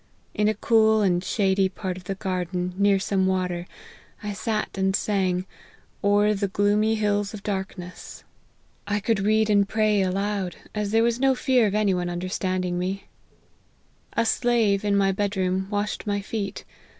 In a cool and shady part of the gar den, near some water, I sat and sang ' O'er the gloomy hills of darkness.' I could read and pray 60 LIFE OF HENRY MARTYN. aloud, as there was no fear of any one understand ing me. " A slave, in my bed room, washed my feet.